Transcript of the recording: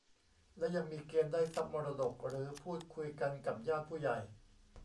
และยังมีเกณฑ์ได้ทรัพย์มรดก หรือพูดคุยกันกับญาติผู้ใหญ่